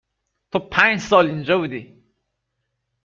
تو پنج سال اینجا بودی